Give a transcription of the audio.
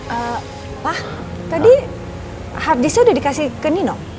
ehm pak tadi harddisknya udah dikasih ke nino